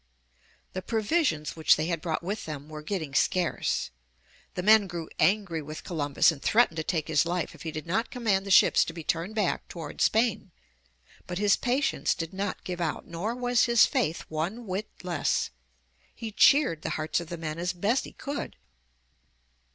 The provisions which they had brought with them were getting scarce. The men grew angry with Columbus, and threatened to take his life if he did not command the ships to be turned back towards Spain, but his patience did not give out, nor was his faith one whit less. He cheered the hearts of the men as best he could.